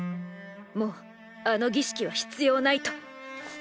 もうあの儀式は必要ないと！